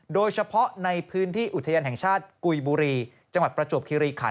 โดยเฉพาะในพื้นที่อุทยานแห่งชาติกุยบุรีจังหวัดประจวบคิริขัน